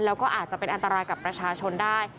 แล้วก็อาจจะเป็นอันตรายกับประชาชนได้